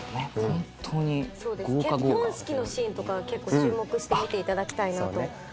本当に豪華豪華結婚式のシーンとか結構注目して見ていただきたいなと思います